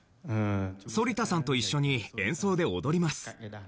反田さんと一緒に演奏で踊ります。